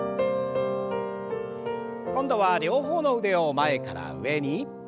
今度は両方の腕を前から上に。